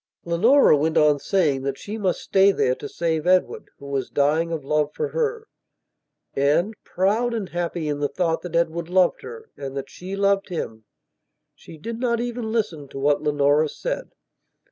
Leonora went on saying that she must stay there to save Edward, who was dying of love for her. And, proud and happy in the thought that Edward loved her, and that she loved him, she did not even listen to what Leonora said.